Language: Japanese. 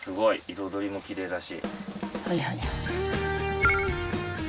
彩りもきれいだし。